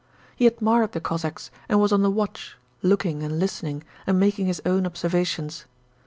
He admired the Cossacks, and was on the watch, looking and listening and making his own observations.